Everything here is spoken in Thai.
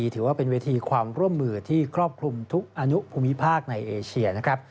ถือว่าเป็นเวทีความร่วมมือที่ครอบคลุมทุกอนุภูมิภาคในเอเชียนะครับ